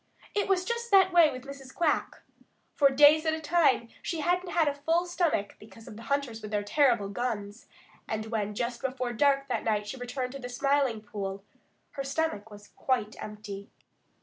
It was just that way with Mrs. Quack. For days at a time she hadn't had a full stomach because of the hunters with their terrible guns, and when just before dark that night she returned to the Smiling Pool, her stomach was quite empty.